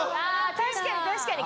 確かに確かに。